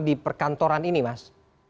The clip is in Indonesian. di perkantoran ini mas